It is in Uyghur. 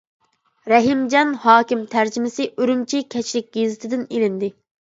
رەھىمجان ھاكىم تەرجىمىسى ئۈرۈمچى كەچلىك گېزىتىدىن ئېلىندى.